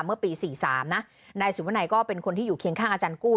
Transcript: เมื่อปี๔๓นะนายสุวนัยก็เป็นคนที่อยู่เคียงข้างอาจารย์กู้